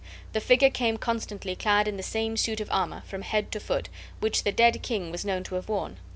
The figure came constantly clad in the same suit of armor, from head to foot, which the dead king was known to have worn.